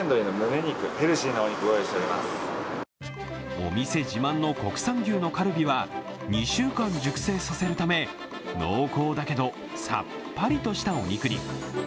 お店自慢の国産牛のカルビは２週間熟成させるため濃厚だけど、さっぱりとしたお肉に。